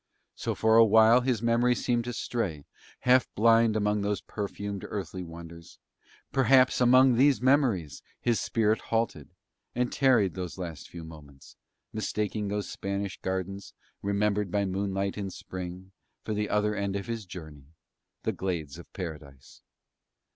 So for awhile his memory seemed to stray, half blind among those perfumed earthly wonders; perhaps among these memories his spirit halted, and tarried those last few moments, mistaking those Spanish gardens, remembered by moonlight in Spring, for the other end of his journey, the glades of Paradise.